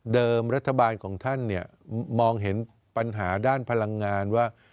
รัฐบาลของท่านเนี่ยมองเห็นปัญหาด้านพลังงานว่า